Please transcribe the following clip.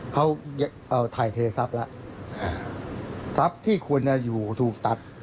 เขาถ่ายเททรัพย์แล้วทรัพย์ที่ควรจะอยู่ถูกตัด